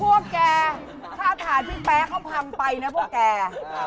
พวกแกภาษาพี่แป๊กเขาทำไปนะพวกแก